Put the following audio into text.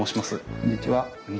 こんにちは。